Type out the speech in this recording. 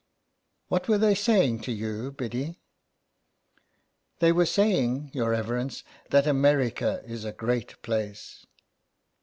'' What were they saying to you, Biddy ?"" They were saying, your reverence, that America is a great place."